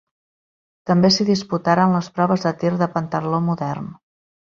També s’hi disputaren les proves de tir de pentatló modern.